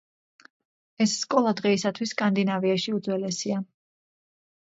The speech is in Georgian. ეს სკოლა დღეისათვის სკანდინავიაში უძველესია.